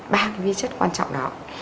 ba cái vi chất quan trọng đó